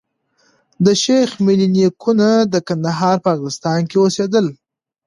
د شېخ ملي نيکونه د کندهار په ارغستان کي اوسېدل.